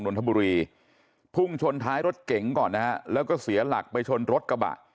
นนทบุรีพุ่งชนท้ายรถเก๋งก่อนนะฮะแล้วก็เสียหลักไปชนรถกระบะ